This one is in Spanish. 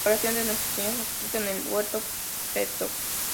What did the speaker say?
Oración de Nuestro Señor Jesucristo en el Huerto- Pto.